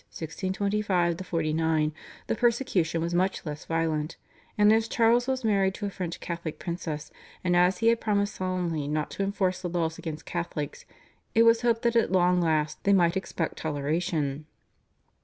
(1625 49) the persecution was much less violent, and as Charles was married to a French Catholic princess and as he had promised solemnly not to enforce the laws against Catholics, it was hoped that at long last they might expect toleration.